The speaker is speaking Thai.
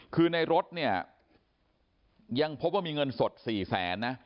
คือในรถเนี่ยยังพบว่ามีเงินสด๔แสนนะ